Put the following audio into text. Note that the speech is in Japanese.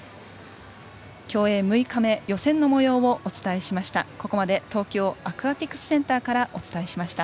競泳６日目予選のもようをお伝えしました。